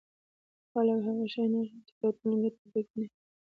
خلک هغه شی نه اخلي چې د ټولنې ګټه پکې نه وي